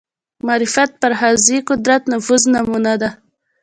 معرفت پر حوزې قدرت نفوذ نمونه ده